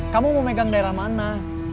kamu mau megang daerah mana